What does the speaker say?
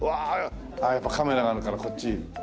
やっぱカメラがあるからこっち。